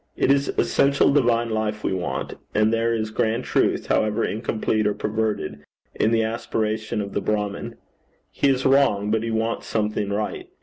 It is essential divine life we want; and there is grand truth, however incomplete or perverted, in the aspiration of the Brahmin. He is wrong, but he wants something right.